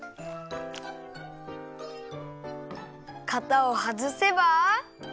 かたをはずせば。